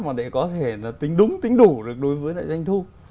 mà để có thể là tính đúng tính đủ được đối với lại doanh thu